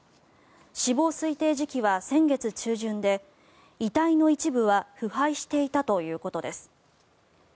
死亡推定時期は先月中旬で遺体の一部は腐敗していたということです。